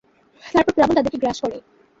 তারপর প্লাবন তাদেরকে গ্রাস করে।